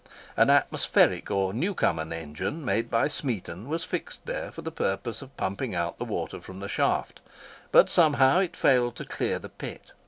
An atmospheric or Newcomen engine, made by Smeaton, was fixed there for the purpose of pumping out the water from the shaft; but somehow it failed to clear the pit.